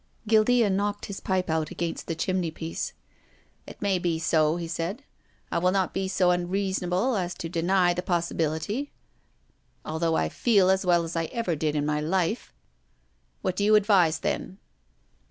Guildea knocked his pipe out against the chimney piece. " It may be so," he said, " I will not be so un reasonable as to deny the possibility, although I 294 TONGUES OF CONSCIENCE. feel as well as I ever did in my life. What do you advise then